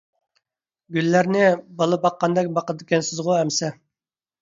گۈللەرنى بالا باققاندەك باقىدىكەنسىزغۇ ئەمىسە.